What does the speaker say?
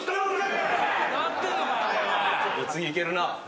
次いけるな。